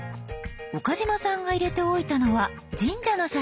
岡嶋さんが入れておいたのは神社の写真。